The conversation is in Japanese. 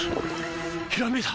ひらめいた！